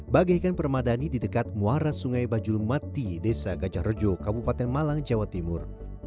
bagaikan permadani di dekat muara sungai bajulmati desa gajah rejo kabupaten malang jawa timur